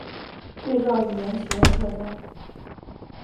对照语言学的特征。